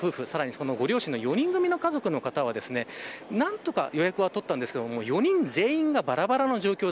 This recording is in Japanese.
そのご両親の４人組の家族の方は何とか予約は取ったが４人全員がばらばらの状況。